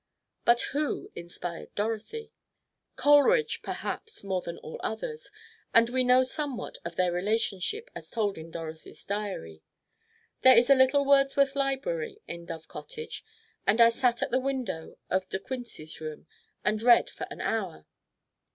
But who inspired Dorothy? Coleridge perhaps more than all others, and we know somewhat of their relationship as told in Dorothy's diary. There is a little Wordsworth Library in Dove Cottage, and I sat at the window of "De Quincey's room" and read for an hour.